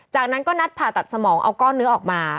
จากนั้นก็นัดผ่าตัดสมองเอาก้อนเนื้อออกมา